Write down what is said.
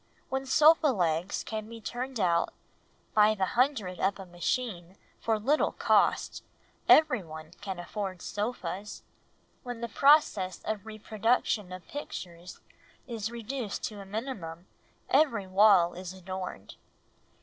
When sofa legs can be turned out by the hundred by a machine for little cost, everyone can afford sofas; when the process of reproduction of pictures is reduced to a minimum, every wall is adorned.